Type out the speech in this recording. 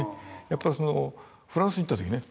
やっぱりフランスに行った時ね